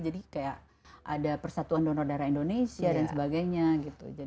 jadi kayak ada persatuan donor darah indonesia dan sebagainya gitu